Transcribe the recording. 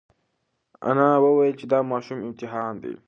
انا وویل چې دا ماشوم امتحان دی.